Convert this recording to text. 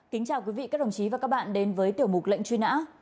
kính chào quý vị các đồng chí và các bạn đến với tiểu mục lệnh truy nã